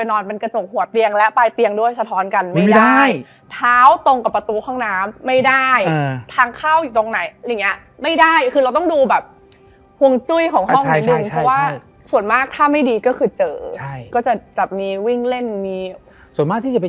ตอนนั่งอยู่พี่โกนั่งอยู่ภาพเหมือนภาพที่ทุกคนเห็นนะ